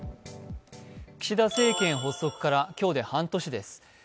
岸田政権発足から今日で半年です。